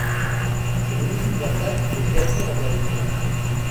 C'est le début d'une attaque des créatures envers les humains.